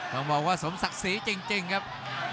ต้องบอกว่าสมศักดิ์ศรีจริงครับ